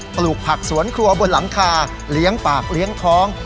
ปลูกผักสวนครัวบนหลังคาเลี้ยงปากเลี้ยงท้อง